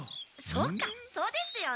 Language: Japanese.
そっかそうですよね。